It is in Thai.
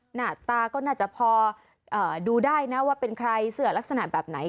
หน้าตาก็น่าจะพอดูได้นะว่าเป็นใครเสื้อลักษณะแบบไหน